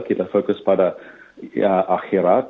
kita fokus pada akhirat